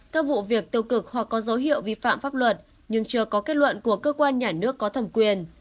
các vụ việc tiêu cực hoặc có dấu hiệu vi phạm pháp luật nhưng chưa có kết luận của cơ quan nhà nước có thẩm quyền